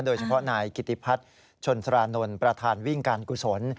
โดยเฉพาะนายกิติพัฒน์ชนสรานนท์ประธานวิ่งการกุศล